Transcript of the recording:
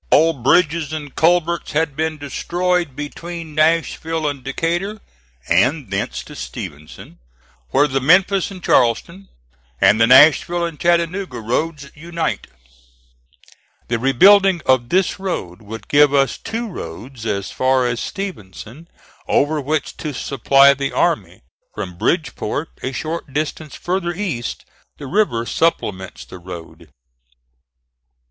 All bridges and culverts had been destroyed between Nashville and Decatur, and thence to Stevenson, where the Memphis and Charleston and the Nashville and Chattanooga roads unite. The rebuilding of this road would give us two roads as far as Stevenson over which to supply the army. From Bridgeport, a short distance farther east, the river supplements the road.